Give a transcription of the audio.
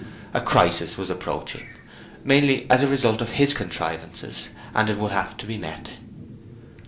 A crisis was approaching, mainly as a result of his contrivances, and it would have to be met.